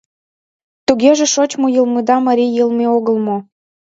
— Тугеже шочмо йылмыда марий йылме огыл мо?